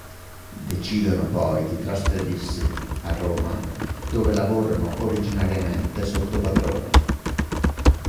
Decidono poi di trasferirsi a Roma, dove lavorano originariamente sotto padrone.